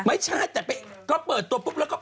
ไม่ใช่แต่ก็เปิดตัวปุ๊บแล้วก็